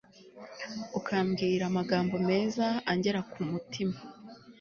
ukambwira amagambo meza angera ku mutima